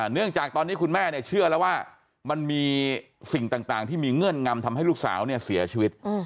เนื่องจากตอนนี้คุณแม่เชื่อแล้วว่ามันมีสิ่งต่างที่มีเงื่อนงำทำให้ลูกสาวเนี่ยเสียชีวิต